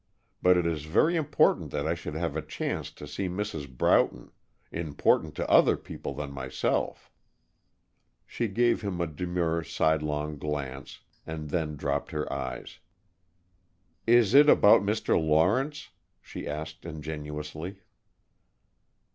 But it is very important that I should have a chance to see Mrs. Broughton, important to other people than myself." She gave him a demure, sidelong glance, and then dropped her eyes. "Is it about Mr. Lawrence?" she asked, ingenuously.